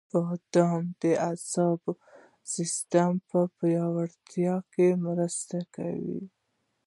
• بادام د عصبي سیستم پیاوړتیا کې مرسته کوي.